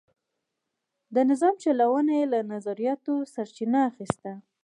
د نظام چلونه یې له نظریاتو سرچینه اخیسته.